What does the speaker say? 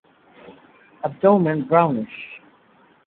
Abdomen brownish.